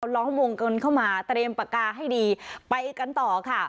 ล้อมวงเกินเข้ามาเตรียมปากกาให้ดีไปกันต่อค่ะ